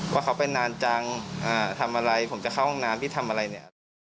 ว่าเขาไปนานจังทำอะไรผมจะเข้าห้องน้ำที่ทำอะไรเนี่ย